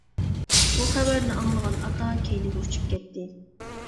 بۇ خەۋەرنى ئاڭلىغان ئاتا كەينىگە ئۇچۇپ كەتتى.